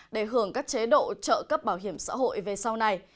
để hưởng các chế độ trợ cấp bảo hiểm xã hội về sau này